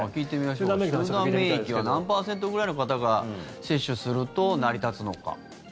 集団免疫は何パーセントぐらいの方が接種すると成り立つのか。